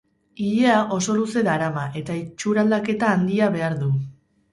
Ilea oso luze darama, eta itxuraldaketa handia behar du.